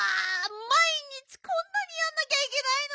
まい日こんなにやんなきゃいけないの？